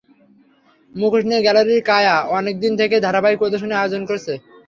মুখোশ নিয়ে গ্যালারি কায়া অনেক দিন থেকেই ধারাবাহিক প্রদর্শনীর আয়োজন করছে।